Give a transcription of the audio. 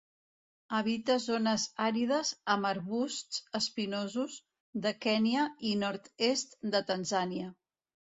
Habita zones àrides amb arbusts espinosos de Kenya i nord-est de Tanzània.